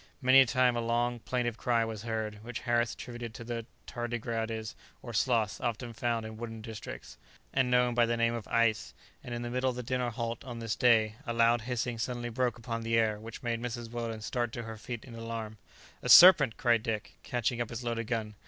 Many a time a long, plaintive cry was heard, which Harris attributed to the tardigrades or sloths often found in wooded districts, and known by the name of "ais;" and in the middle of the dinner halt on this day, a loud hissing suddenly broke upon the air which made Mrs. Weldon start to her feet in alarm. "A serpent!" cried Dick, catching up his loaded gun.